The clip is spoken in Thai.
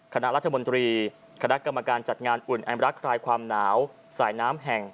คณะรัฐมนตรีคณะกรรมการจัดงานอุ่นแอมรักคลายความหนาวสายน้ำแห่ง